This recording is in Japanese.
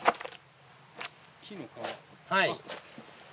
はい。